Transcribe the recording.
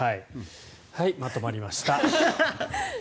はい、まとまりました。